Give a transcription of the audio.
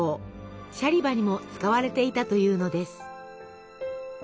シャリバにも使われていたというのです。